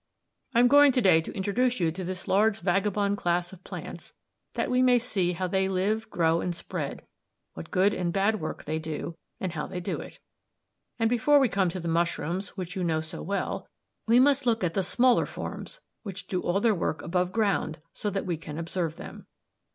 "I am going to day to introduce you to this large vagabond class of plants, that we may see how they live, grow, and spread, what good and bad work they do, and how they do it. And before we come to the mushrooms, which you know so well, we must look at the smaller forms, which do all their work above ground, so that we can observe them.